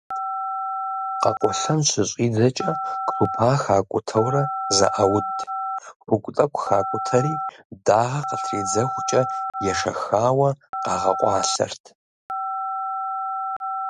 Къэкъуэлъэн щыщӏидзэкӏэ крупа хакӏутэурэ зэӏауд, хугу тӏэкӏу хакӏутэри дагъэ къытридзэхукӏэ ешэхауэ къагъэкъуалъэрт.